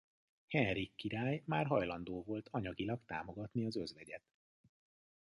Henrik király már hajlandó volt anyagilag támogatni az özvegyet.